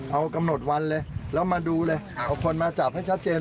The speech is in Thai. เอากำหนดวันเลยแล้วมาดูเลยเอาคนมาจับให้ชัดเจน